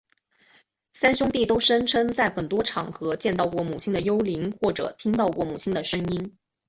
三兄弟都声称在很多场合见到过母亲的幽灵或者听到过母亲的声音。